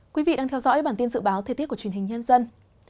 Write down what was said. quý vị đang theo dõi bản tin dự báo thời tiết của truyền hình nhân dân